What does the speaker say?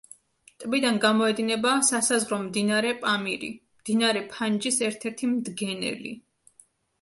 ტბიდან გამოედინება სასაზღვრო მდინარე პამირი, მდინარე ფანჯის ერთ-ერთი მდგენელი.